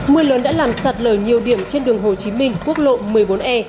mưa lớn đã làm sạt lở nhiều điểm trên đường hồ chí minh quốc lộ một mươi bốn e